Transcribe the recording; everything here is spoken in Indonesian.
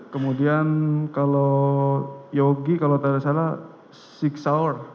kemudian kalau yogi kalau tidak salah enam sour